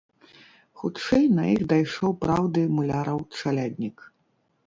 Хутчэй на іх дайшоў праўды муляраў чаляднік.